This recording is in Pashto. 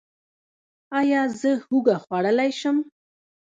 ایا زه هوږه خوړلی شم؟